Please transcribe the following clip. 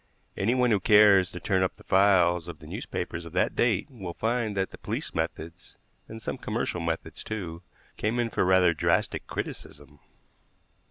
Anyone who cares to turn up the files of the newspapers of that date will find that the police methods, and some commercial methods, too, came in for rather drastic criticism.